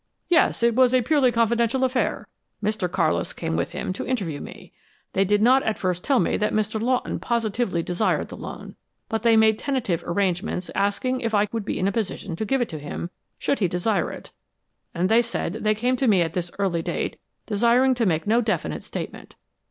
"Yes, it was a purely confidential affair. Mr. Carlis came with him to interview me. They did not at first tell me that Mr. Lawton positively desired the loan, but they made tentative arrangements asking if I would be in a position to give it to him should he desire it, and they said they came to me at this early date desiring to make no definite statement.